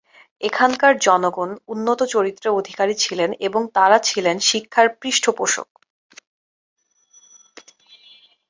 এখানকার জনগণ উন্নত চরিত্রের অধিকারী ছিলেন এবং তারা ছিলেন শিক্ষার পৃষ্ঠপোষক।